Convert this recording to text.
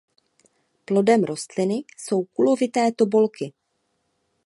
Plodem rostliny jsou kulovité tobolky.